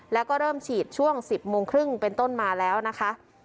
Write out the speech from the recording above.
แล้วก็เริ่มฉีดช่วง๑๐โมงครึ่งเป็นต้นมาแล้วนะคะ